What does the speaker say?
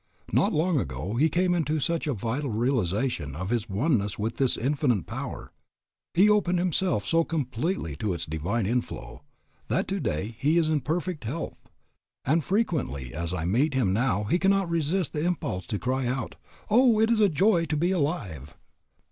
Not long ago he came into such a vital realization of his oneness with this Infinite Power, he opened himself so completely to its divine inflow, that today he is in perfect health, and frequently as I meet him now he cannot resist the impulse to cry out, "Oh, it is a joy to be alive."